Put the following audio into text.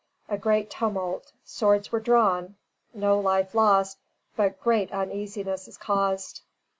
A great tumult. Swords were drawn; no life lost, but great uneasiness is caused."